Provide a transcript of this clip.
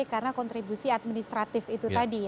karena kontribusi administratif itu tadi